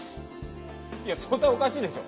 いや早たいおかしいでしょ。